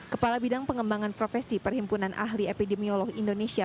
kepala bidang pengembangan profesi perhimpunan ahli epidemiolog indonesia